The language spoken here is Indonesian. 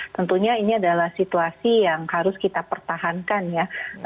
tentunya ini adalah situasi yang harus kita pertahankan ya